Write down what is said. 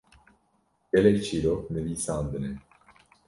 Gelek çîrok nivîsandine.